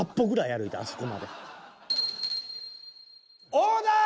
オーダー！